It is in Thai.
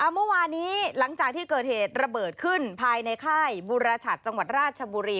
เมื่อวานี้หลังจากที่เกิดเหตุระเบิดขึ้นภายในค่ายบุรชัดจังหวัดราชบุรี